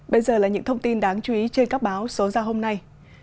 bây giờ là những thông tin đáng chú ý trên các báo số ra hôm nay